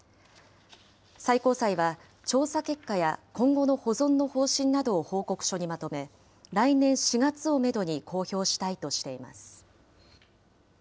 最高裁は、調査結果や今後の保存の方針などを報告書にまとめ、来年４月をメドに公表したいとしています。